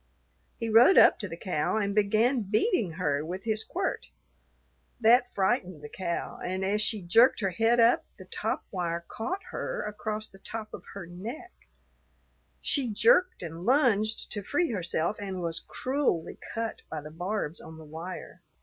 He rode up to the cow and began beating her with his quirt. That frightened the cow, and as she jerked her head up, the top wire caught her across the top of her neck; she jerked and lunged to free herself, and was cruelly cut by the barbs on the wire.